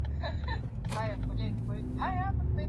wengineo wanafuatilia desturi kama walivyozipokea Mtiririko wa